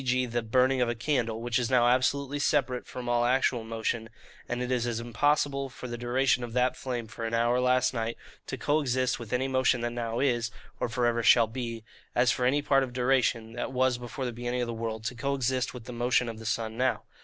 g. the burning of a candle, which is now absolutely separate from all actual motion; and it is as impossible for the duration of that flame for an hour last night to co exist with any motion that now is, or for ever shall be, as for any part of duration, that was before the beginning of the world, to co exist with the motion of the sun now.